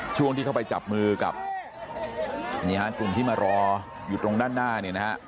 ช่วงที่เข้าไปจับมือกับนี่ฮะกลุ่มที่มารออยู่ตรงด้านหน้าเนี่ยนะฮะ